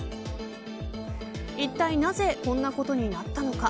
いったい、なぜこんなことになったのか。